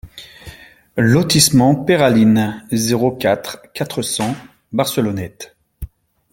Lotissement Peyralines, zéro quatre, quatre cents Barcelonnette